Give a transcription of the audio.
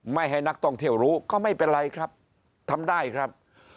ไม่ให้นักท่องเที่ยวรู้ก็ไม่เป็นไรครับทำได้ครับ